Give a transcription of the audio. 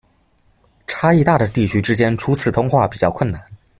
差异大的地区之间初次通话比较困难。